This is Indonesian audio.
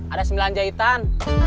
ada sembilan jahitan